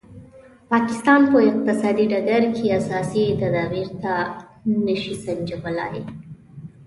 پاکستان په اقتصادي ډګر کې اساسي تدابیر نه شي سنجولای.